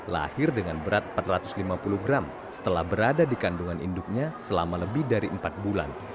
lahir dengan berat empat ratus lima puluh gram setelah berada di kandungan induknya selama lebih dari empat bulan